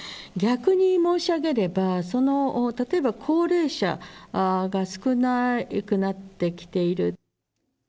逆に申し上げれば、その、例えば高齢者が少なくなってきている。